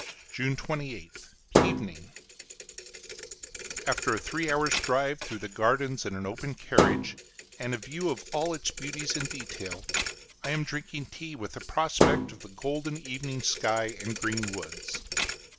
June 28th, Evening. After a three hours' drive through the gardens in an open carriage, and a view of all its beauties in detail, I am drinking tea, with a prospect of the golden evening sky and green woods.